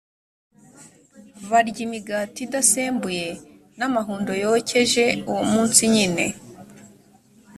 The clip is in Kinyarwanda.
barya imigati idasembuye n’amahundo yokeje, uwo munsi nyine.